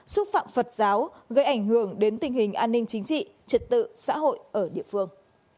xúc phạm phật giáo gây ảnh hưởng đến tình hình an ninh chính trị trật tự xã hội ở địa phương